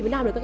phải làm được